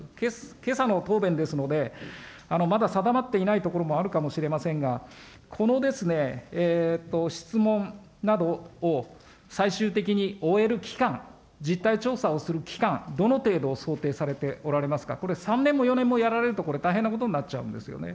けさの答弁ですので、まだ定まっていないところもあるかもしれませんが、この質問などを最終的に終える期間、期間、どの程度を想定されておられますか。これ３年も４年もやられると大変なことになっちゃうんですよね。